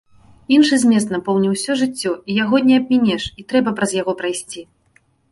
Іншы змест напоўніў усё жыццё, і яго не абмінеш, і трэба праз яго прайсці.